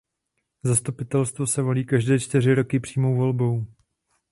Zastupitelstvo se volí každé čtyři roky přímou volbou.